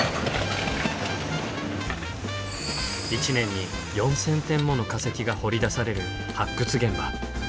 １年に４，０００点もの化石が掘り出される発掘現場。